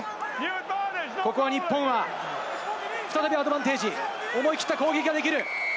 ここは日本は再び、アドバンテージ、思い切った攻撃ができる。